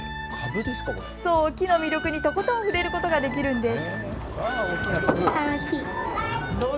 木の魅力にとことん触れることができるんです。